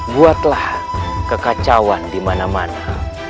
buatlah kekacauan dimana mana